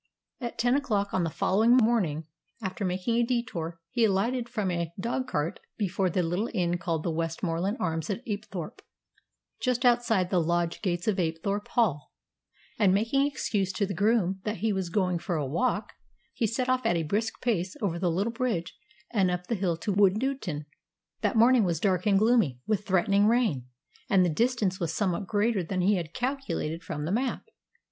At ten o'clock on the following morning, after making a detour, he alighted from a dogcart before the little inn called the Westmorland Arms at Apethorpe, just outside the lodge gates of Apethorpe Hall, and making excuse to the groom that he was going for a walk, he set off at a brisk pace over the little bridge and up the hill to Woodnewton. The morning was dark and gloomy, with threatening rain, and the distance was somewhat greater than he had calculated from the map.